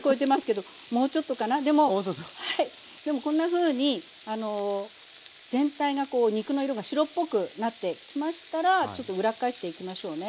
でもこんなふうに全体がこう肉の色が白っぽくなってきましたらちょっと裏返していきましょうね。